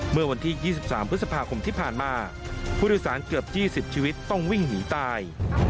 เมื่อวันที่๒๓พฤษภาคมที่ผ่านมาผู้โดยสารเกือบ๒๐ชีวิตต้องวิ่งหนีตาย